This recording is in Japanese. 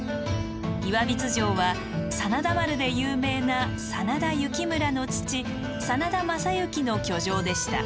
岩櫃城は「真田丸」で有名な真田幸村の父真田昌幸の居城でした。